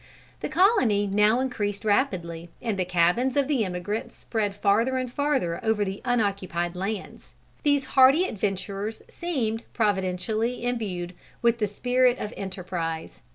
The colony now increased rapidly, and the cabins of the emigrants spread farther and farther over the unoccupied lands. These hardy adventurers seemed providentially imbued with the spirit of enterprise.